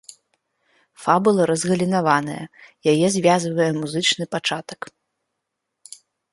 Фабула разгалінаваная, яе звязвае музычны пачатак.